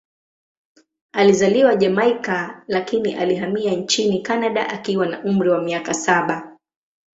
Alizaliwa Jamaika, lakini alihamia nchini Kanada akiwa na umri wa miaka saba.